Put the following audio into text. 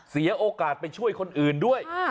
เสียโอกาสไปช่วยคนอื่นด้วย